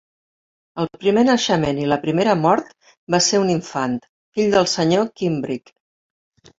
El primer naixement i la primera mort va ser un infant, fill del Sr. Kimbrick.